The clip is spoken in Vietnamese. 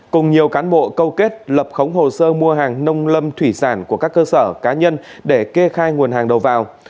cùng nhiều cán bộ câu kết lập khống hồ sơ mua hàng nông lâm thủy sản của các cơ sở cá nhân để kê khai nguồn hàng đầu vào